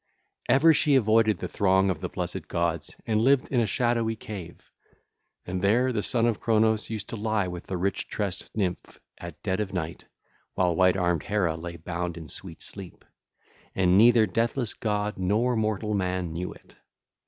Ever she avoided the throng of the blessed gods and lived in a shadowy cave, and there the Son of Cronos used to lie with the rich tressed nymph at dead of night, while white armed Hera lay bound in sweet sleep: and neither deathless god nor mortal man knew it.